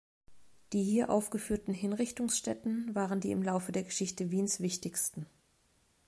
Die hier aufgeführten Hinrichtungsstätten waren die im Laufe der Geschichte Wiens wichtigsten.